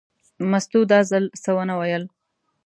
مستو دا ځل څه ونه ویل.